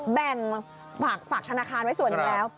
แบ่งฝากธนาคารไว้ส่วนหนึ่งแล้ว